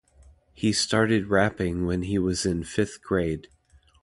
He started rapping when he was in fifth grade.